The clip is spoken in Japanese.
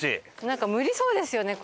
なんか無理そうですよね